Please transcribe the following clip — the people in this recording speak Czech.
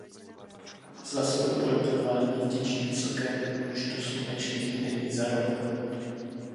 Za svoje pojmenování vděčí vysokému počtu slunečních dní za rok.